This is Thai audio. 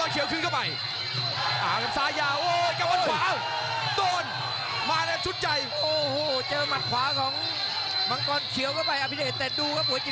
เจอแค่ขวาของมังกรเขียวคืนเข้าไป